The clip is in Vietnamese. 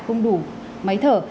không đủ máy thở